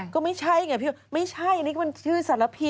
ก็ไม่ใช่ไงพี่โอ้นไม่ใช่นี่ก็เป็นชื่อสารพี